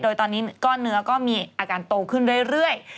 โดยตอนนี้ก้อนเนื้อก็มีอาการโตขึ้นเรื่อย